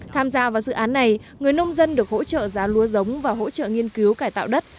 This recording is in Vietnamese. tham gia vào dự án này người nông dân được hỗ trợ giá lúa giống và hỗ trợ nghiên cứu cải tạo đất